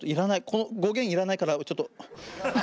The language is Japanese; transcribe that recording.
この５弦いらないからちょっと。